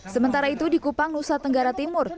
sementara itu di kupang nusa tenggara timur